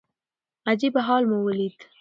عجيبه حال مو وليد .